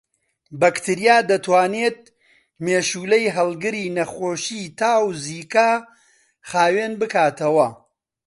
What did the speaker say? بەکتریا دەتوانێت مێشولەی هەڵگری نەخۆشیی تا و زیکا خاوێن بکاتەوە